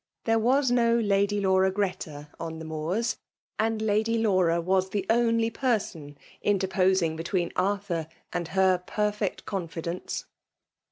— There was no Ladjr Laura Greta on the Moors : and Lady Laura tras the only person interposing between Ar* thur and her perfect confidence.